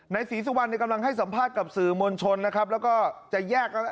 นายศรีสุวรรณเนี่ยกำลังให้สัมภาษณ์กับสื่อมณชนนะครับแล้วก็จะแยกแล้ว